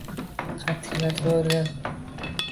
Qad tiklashni oʻrgan